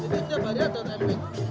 jadi setiap hari ada ebek